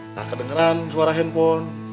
nggak kedengaran suara handphone